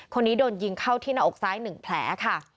คนนี้โดนยิงเข้าที่หน้าอกซ้าย๑แผลค่ะ